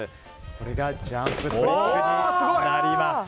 これがジャンプトリックになります。